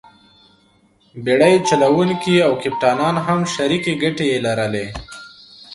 بېړۍ چلوونکي او کپټانان هم شریکې ګټې یې لرلې.